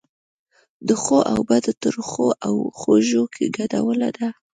د ښو او بدو، ترخو او خوږو ګډوله ده.